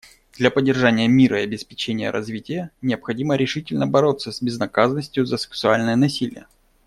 Для поддержания мира и обеспечения развития необходимо решительно бороться с безнаказанностью за сексуальное насилие.